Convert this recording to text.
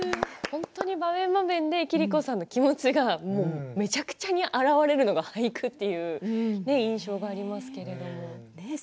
本当に場面場面で桐子さんの気持ちがめちゃくちゃに表れるのが俳句という印象がありますけれども。